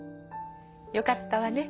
よかったわね